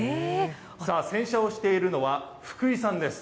さあ、洗車をしているのは、福井さんです。